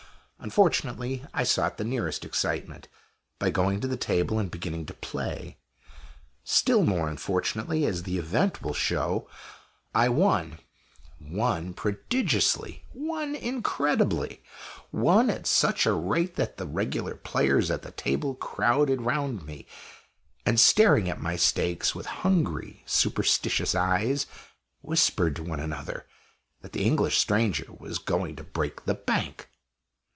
Unfortunately I sought the nearest excitement, by going to the table and beginning to play. Still more unfortunately, as the event will show, I won won prodigiously; won incredibly; won at such a rate that the regular players at the table crowded round me; and staring at my stakes with hungry, superstitious eyes, whispered to one another that the English stranger was going to break the bank.